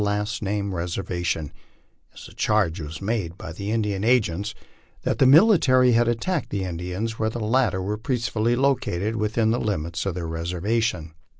last named reservation, as the charge was made by the Indian agents that the military had attacked the Indians when the latter were peacefully located with in the limits of their reservation.